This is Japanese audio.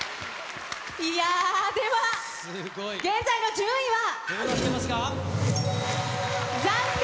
いやぁ、では、現在の順位は。